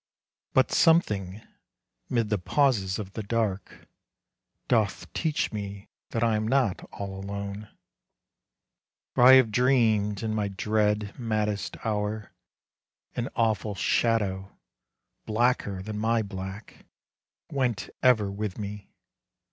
But something 'mid the pauses of the dark Doth teach me that I am not all alone, For I have dreamed in my dread, maddest hour, An awful shadow, blacker than my black, Went ever with me.